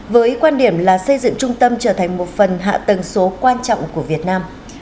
với quan điểm là xây dựng trung tâm trở thành một phần hạ tầng số quan trọng của việt nam